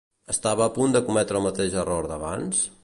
Estava a punt de cometre el mateix error d'abans?